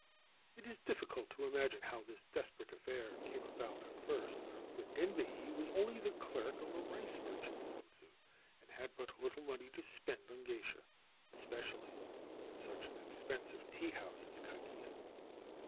It is difficult to imagine how this desperate affair came about at first, for Denbei was only the clerk of a rice merchant in Otsu, and had but little money to spend on geisha, especially in such an expensive teahouse as Kagiya.